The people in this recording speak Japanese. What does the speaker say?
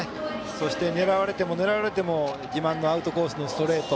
そして狙われても狙われても自慢のアウトコースのストレート